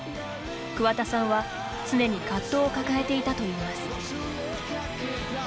桑田さんは常に葛藤を抱えていたといいます。